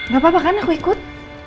gak apa apa kan aku ikut